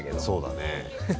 そうだね。